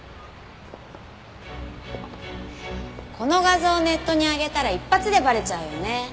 この画像ネットに上げたら一発でバレちゃうよね。